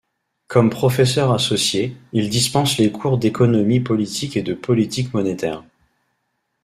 Comme professeur associé, il dispense les cours d’économie politique et de politique monétaire.